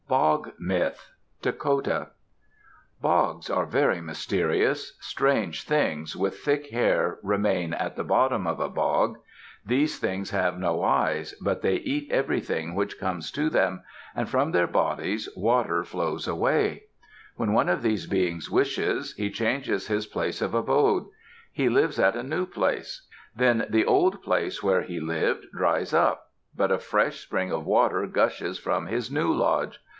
BOG MYTH Dakota Bogs are very mysterious. Strange things, with thick hair, remain at the bottom of a bog. These things have no eyes, but they eat everything which comes to them, and from their bodies water flows always. When one of these Beings wishes, he changes his place of abode. He lives at a new place. Then the old place where he lived dries up; but a fresh spring of water gushes from his new lodge.